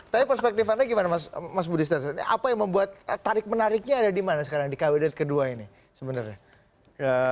tapi perspektifannya gimana mas budi star apa yang membuat tarik menariknya ada dimana sekarang di kwd kedua ini sebenarnya